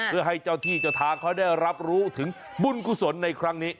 เพื่อให้เจ้าที่เจ้าทางเขาได้รับรู้ถึงบุญกุศลในครั้งนี้